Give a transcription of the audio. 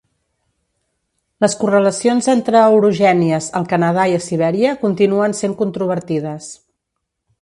Les correlacions entre orogènies al Canadà i a Sibèria continuen sent controvertides.